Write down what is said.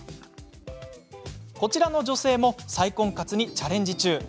こちらの女性も再婚活にチャレンジ中。